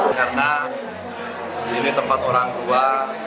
karena ini tempat orang tua